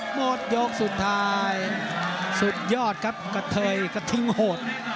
หมดยกสุดท้ายสุดยอดครับกระเทยกระทิงโหด